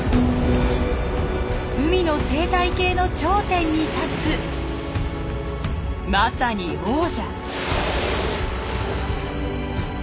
海の生態系の頂点に立つまさに王者。